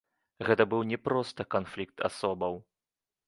Гэта быў не проста канфлікт асобаў.